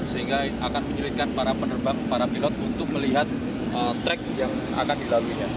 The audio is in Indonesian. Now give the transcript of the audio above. sehingga akan menyulitkan para penerbang para pilot untuk melihat track yang akan dilaluinya